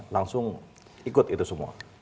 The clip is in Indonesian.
langsung ikut itu semua